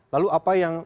lalu apa yang